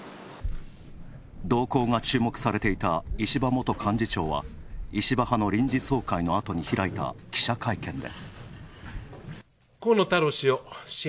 動向が注目されていた石破元幹事長は、石破派の臨時総会のあとに開いた記者会見で。